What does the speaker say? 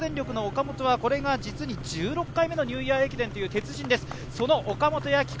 中国電力の岡本はこれが実に１６回目のニューイヤー駅伝という鉄人です。